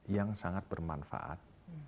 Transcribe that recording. yang sangat bermanfaat